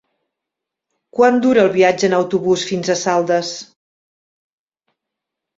Quant dura el viatge en autobús fins a Saldes?